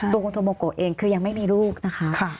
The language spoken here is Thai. คุณธรรมกฎเองคือยังไม่มีลูกนะคะ